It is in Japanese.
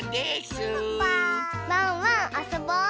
ワンワンあそぼう！